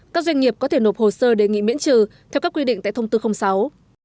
các doanh nghiệp có thể nộp hồ sơ đề nghị miễn trừ theo các quy định tại thông tư sáu